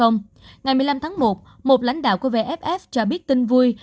ngày một mươi năm tháng một một lãnh đạo của vff cho biết tin vui